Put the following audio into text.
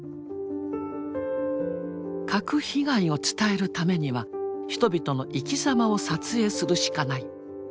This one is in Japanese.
核被害を伝えるためには人々の生き様を撮影するしかない。